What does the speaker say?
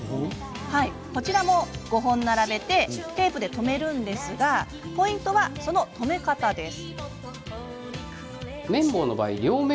こちらも５本を並べてテープで留めるんですがポイントは、その留め方です。